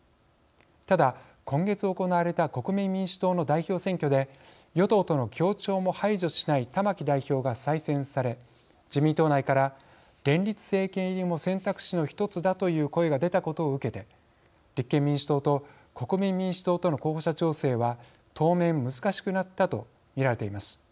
ただ今月行われた国民民主党の代表選挙で与党との協調も排除しない玉木代表が再選され自民党内から連立政権入りも選択肢の一つだという声が出たことを受けて立憲民主党と国民民主党との候補者調整は当面難しくなったと見られています。